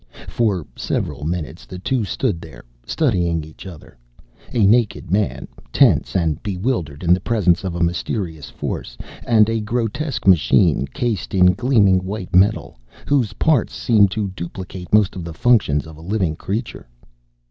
For several minutes the two stood there, studying each other. A naked man, tense and bewildered in the presence of mysterious forces and a grotesque machine, cased in gleaming white metal, whose parts seemed to duplicate most of the functions of a living creature.